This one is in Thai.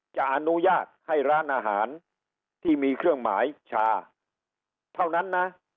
จะอนุญาตให้ร้านอาหารที่มีเครื่องหมายชาเท่านั้นนะ